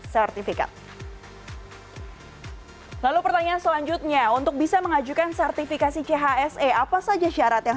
sertifikat lalu pertanyaan selanjutnya untuk bisa mengajukan sertifikasi chse apa saja syarat yang